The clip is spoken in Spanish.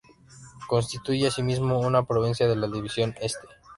Constituyen asimismo una provincia de la División Este.